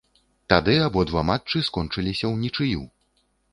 Тады абодва матчы скончыліся ўнічыю.